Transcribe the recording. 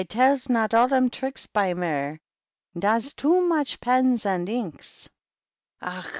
261 / tells not all dem tricks by mir^ — Dafs too mock pens and inks; Ach!